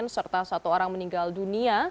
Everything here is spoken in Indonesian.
serta satu orang meninggal dunia